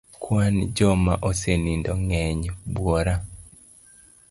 Kwan joma osenindo ng'eny buora.